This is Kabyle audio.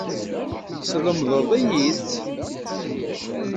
Teslemdeḍ-iyi-tt.